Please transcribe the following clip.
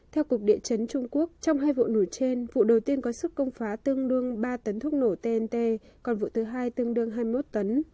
theo cục địa chấn trung quốc trong hai vụ nổi trên vụ đầu tiên có sức công phá tương đương ba tấn thuốc nổ tnt còn vụ thứ hai tương đương hai mươi một tấn